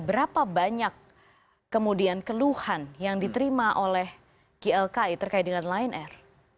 berapa banyak kemudian keluhan yang diterima oleh ylki terkait dengan lion air